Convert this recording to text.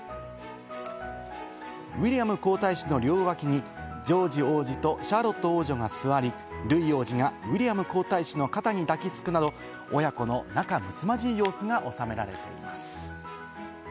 ウィリアム皇太子の両脇にジョージ王子とシャーロット王女が座り、ルイ王子がウィリアム皇太子の肩に抱きつくなど、親子の仲むつまじい様子がおさめられています。